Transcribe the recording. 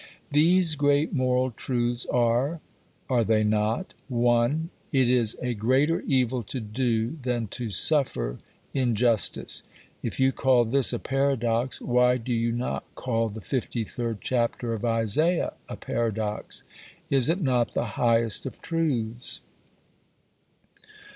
These great moral truths are (are they not?): (1) It is a greater evil to do than to suffer injustice. If you call this a "paradox," why do you not call the 53rd Chapter of Isaiah a paradox? Is it not the highest of truths?